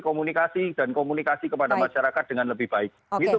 komunikasi dan komunikasi kepada masyarakat dengan lebih baik